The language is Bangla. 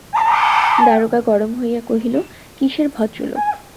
দারোগা গরম হইয়া কহিল, কিসের ভদ্রলোক!